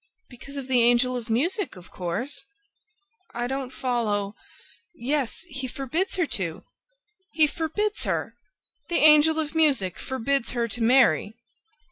"Because of the Angel of Music, of course! ..." "I don't follow ..." "Yes, he forbids her to! ..." "He forbids her! ... The Angel of Music forbids her to marry!"